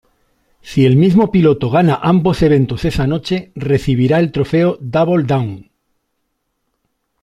Si el mismo piloto gana ambos eventos esa noche, recibirá el trofeo "Double Down".